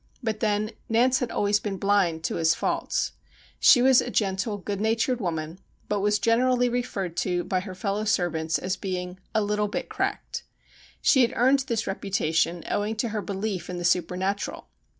But then Nance had always been blind to his faults. She was a gentle, good natured woman, but was generally referred to by her fellow servants as being ' a little bit cracked.' She had earned this reputation owing to her belief in the supernatural.